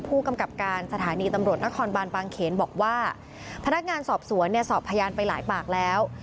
ผู้กำกับการสถานีตำรวจนครบานบางเขนบอกว่าพนักงานสอบสวนเนี่ยสอบพยานไปหลายปากแล้ว